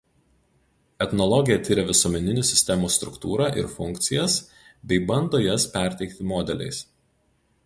Etnologija tiria visuomeninių sistemų struktūrą ir funkcijas bei bando jas perteikti modeliais.